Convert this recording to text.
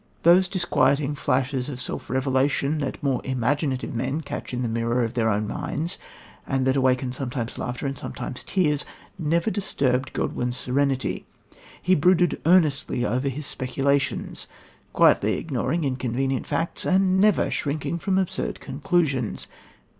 Those disquieting flashes of self revelation that more imaginative men catch in the mirror of their own minds and that awaken sometimes laughter and sometimes tears, never disturbed Godwin's serenity. He brooded earnestly over his speculations, quietly ignoring inconvenient facts and never shrinking from absurd conclusions.